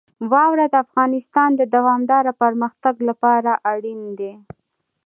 واوره د افغانستان د دوامداره پرمختګ لپاره اړین دي.